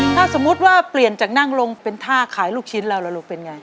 ถ้าสมมุติว่าเปลี่ยนจากนั่งลงเป็นท่าขายลูกชิ้นเราแล้วลูกเป็นไง